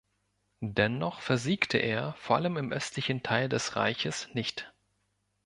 Dennoch versiegte er, vor allem im östlichen Teil des Reiches, nicht.